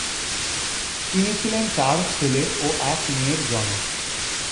তিনি ছিলেন চার ছেলে ও এক মেয়ের জনক।